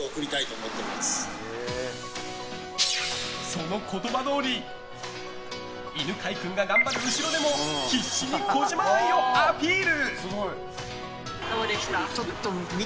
その言葉どおり犬飼君が頑張る後ろでも必死に児嶋愛をアピール。